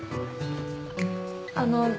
あの。